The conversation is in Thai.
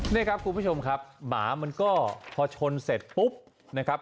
นี่ครับคุณผู้ชมครับหมามันก็พอชนเสร็จปุ๊บนะครับ